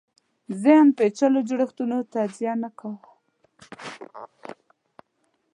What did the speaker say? ذهن پېچلو جوړښتونو تجزیه نه کاوه